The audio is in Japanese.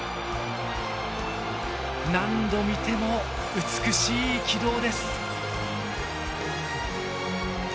何度見ても美しい軌道です。